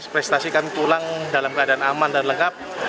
prestasi kami pulang dalam keadaan aman dan lengkap